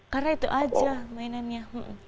karena itu aja mainannya